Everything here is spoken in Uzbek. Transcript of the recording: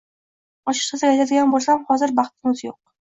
Ochiqchasiga aytadigan boʻlsam, hozir baxtning oʻzi yoʻq